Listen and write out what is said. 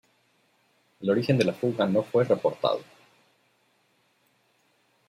El origen de la fuga no fue reportado.